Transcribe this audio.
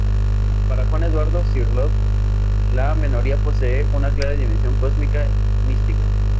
Para Juan Eduardo Cirlot la menorá posee una clara dimensión cósmico-mística.